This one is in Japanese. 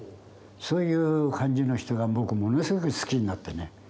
そういう感じの人が僕ものすごく好きになってね。